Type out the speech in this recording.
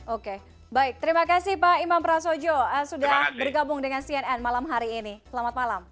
oke baik terima kasih pak imam prasojo sudah bergabung dengan cnn malam hari ini selamat malam